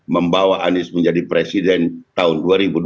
membawa anies menjadi presiden tahun dua ribu dua puluh